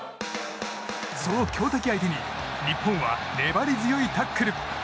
その強敵相手に日本は、粘り強いタックル。